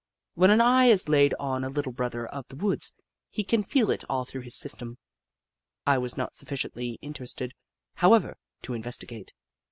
When an eye is laid on a Little Brother of the Woods, he can feel it all through his system. I was not sufficiently interested, however, to investio^ate.